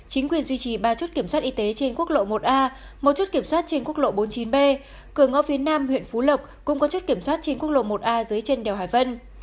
huyện phú lộc cũng có chốt kiểm soát trên quốc lộ một a dưới chân đèo hải vân